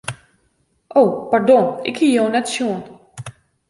O pardon, ik hie jo net sjoen.